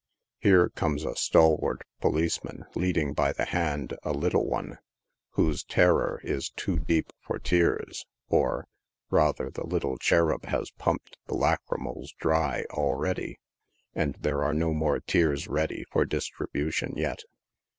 Here comes a stalwart policeman, leading by the hand a little one, whose terror is too deep for tears, or, rather, the little cherub has pumped the lachrymals dry, already, and there are no more tears ready for distribution yet.